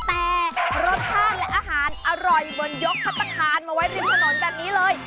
แต่รสชาติและอาหารอร่อยบนยกพัฒนาคารมาไว้ริมถนนแบบนี้เลย